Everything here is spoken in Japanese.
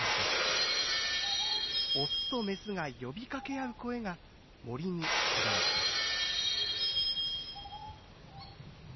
オスとメスが呼びかけ合う声が森にこだまします。